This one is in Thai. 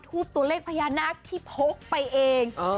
ทูปตัวเลขพญานาคที่พกไปเอง